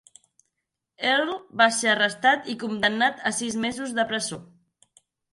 Earle va ser arrestat i condemnat a sis mesos de presó.